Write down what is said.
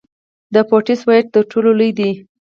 د بوټس وایډ تر ټولو لوی دی.